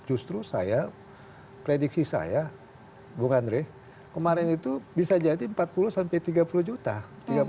justru saya prediksi saya bung andre kemarin itu bisa jadi empat puluh sampai tiga puluh juta